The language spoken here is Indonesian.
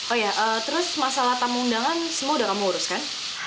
oh ya terus masalah tamu undangan semua udah kamu uruskan